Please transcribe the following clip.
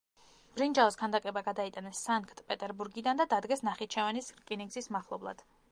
ბრინჯაოს ქანდაკება გადაიტანეს სანქტ-პეტერბურგიდან და დადგეს ნახიჩევანის რკინიგზის მახლობლად.